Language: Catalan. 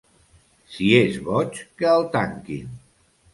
Si és boig, que el tanquin!